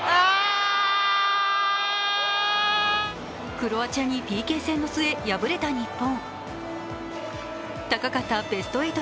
クロアチアにＰＫ戦の末敗れた日本。